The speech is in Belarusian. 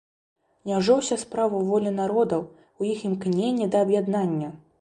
Няўжо ўся справа ў волі народаў, у іх імкненні да аб'яднання!